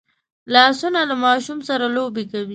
لاسونه له ماشوم سره لوبې کوي